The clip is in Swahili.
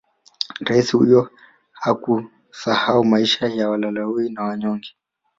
Raisi huyo hakusahau maisha ya walalahoi na wanyonge